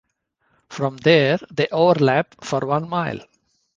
From there, they overlap for one mile.